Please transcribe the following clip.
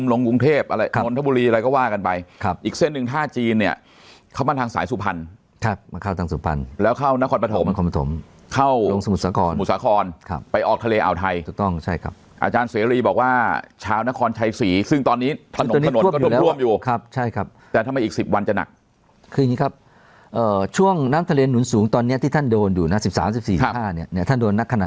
ลงกรุงเทพอะไรนทบุรีอะไรก็ว่ากันไปครับอีกเส้นหนึ่งท่าจีนเนี่ยเข้ามาทางสายสุพรรณครับมาเข้าทางสุพรรณแล้วเข้านครปฐมเข้าลงสมุทรสะครสมุทรสะครครับไปออกทะเลอ่าวไทยถูกต้องใช่ครับอาจารย์เสรีบอกว่าชาวนครไทยศรีซึ่งตอนนี้ถนนถนนก็ร่วมร่วมอยู่ครับใช่ครับแต่ทำไมอีกสิบวันจะหนักคืออย่างงี้คร